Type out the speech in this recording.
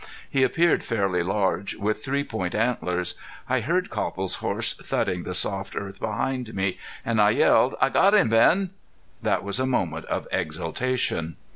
He appeared fairly large, with three point antlers. I heard Copple's horse thudding the soft earth behind me, and I yelled: "I got him, Ben." That was a moment of exultation.